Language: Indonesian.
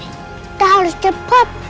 kita harus cepet